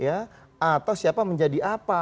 atau siapa menjadi apa